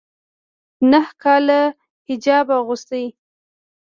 ا نهه کاله حجاب اغوستی